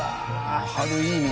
春いいね。